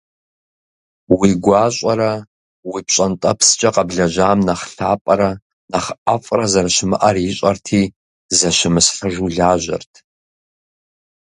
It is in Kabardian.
Уи гуащӀэрэ уи пщӀэнтӀэпскӀэ къэблэжьам нэхъ лъапӀэрэ нэхъ ӀэфӀрэ зэрыщымыӀэр ищӀэрти, зыщымысхьыжу лажьэрт.